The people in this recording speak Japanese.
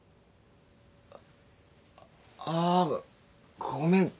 ああごめん